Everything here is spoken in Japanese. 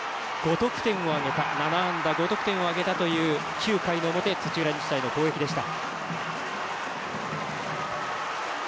７安打５得点を挙げたという９回の表、土浦日大の攻撃でした。